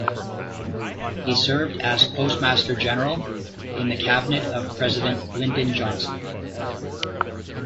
He served as Postmaster General in the cabinet of President Lyndon Johnson.